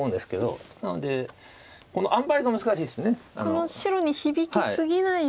この白に響き過ぎないように。